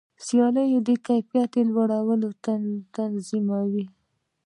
سیالي د کیفیت لوړوالی تضمینوي.